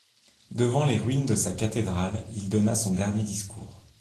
Devant les ruines de sa cathédrale, il donna son dernier discours.